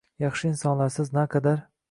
Yaxshi insonlarsiz naqadar